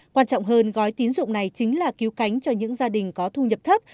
quan trọng hơn gói tín dụng này chính là cứu cánh cho những gia đình có thu nhập thấp